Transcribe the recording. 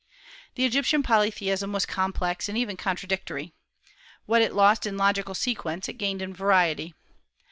The Egyptian polytheism was complex and even contradictory. What it lost in logical sequence it gained in variety.